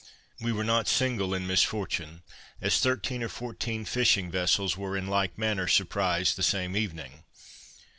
We were not single in misfortune, as thirteen or fourteen fishing vessels were in like manner surprised the same evening.